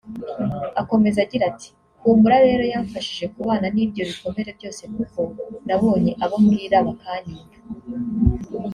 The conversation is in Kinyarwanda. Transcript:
Akomeza agira ati « Humura rero yamfashije kubana n’ibyo bikomere byose kuko nabonye abo mbwira bakanyumva